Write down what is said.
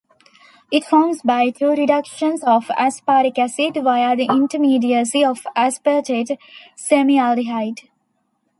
It forms by two reductions of aspartic acid via the intermediacy of aspartate semialdehyde.